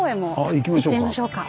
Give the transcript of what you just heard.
行きましょうか。